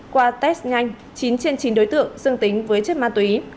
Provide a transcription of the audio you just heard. qua test nhanh chín trên chín đối tượng dương tính với chất ma túy